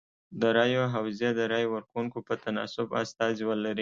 د رایو حوزې د رای ورکوونکو په تناسب استازي ولري.